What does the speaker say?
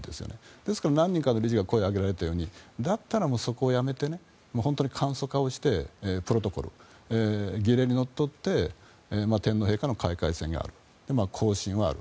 ですから何人かの理事が声を上げたようにだったら、そこをやめて本当に簡素化して原理にのっとって天皇陛下の開会宣言そして行進もある。